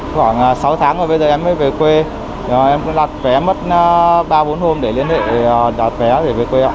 khoảng sáu tháng rồi bây giờ em mới về quê em cũng đặt vé mất ba bốn hôm để liên hệ đặt vé về quê